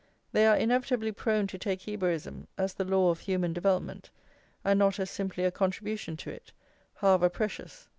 They are inevitably prone to take Hebraism as the law of human development, and not as simply a contribution to it, however precious.